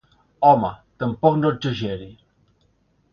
Home, tampoc no exageri.